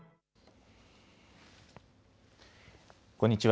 こんにちは。